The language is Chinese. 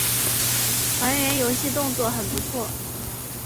还原游戏动作很不错